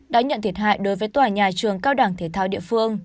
đã nhận thiệt hại đối với tòa nhà trường cao đẳng thể thao địa phương